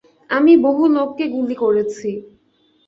আমি বহু লোককে গুলি করেছি।